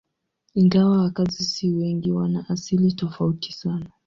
Ingawa wakazi si wengi, wana asili tofauti sana.